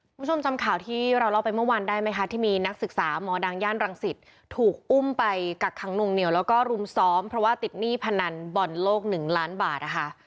คุณผู้ชมจำข่าวที่เราเล่าไปเมื่อวานได้ไหมคะที่มีนักศึกษาหมอดังย่านรังสิตถูกอุ้มไปกักขังหนุ่งเหนียวแล้วก็รุมซ้อมเพราะว่าติดหนี้พนันบอลโลก๑ล้านบาทนะคะ